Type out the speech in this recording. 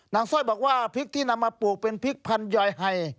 สร้อยบอกว่าพริกที่นำมาปลูกเป็นพริกพันยอยไฮ